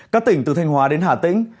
các tỉnh từ thanh hóa đến hà tĩnh